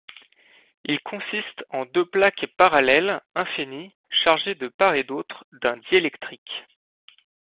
Il consiste en deux plaques parallèles, infinies, chargées de part et d'autre d'un diélectrique.